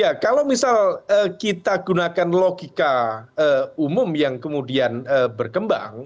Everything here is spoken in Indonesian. ya kalau misal kita gunakan logika umum yang kemudian berkembang